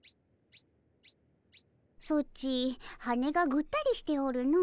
ソチ羽がぐったりしておるの。